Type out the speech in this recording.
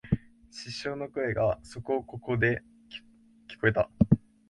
失笑の声がそこここで聞えた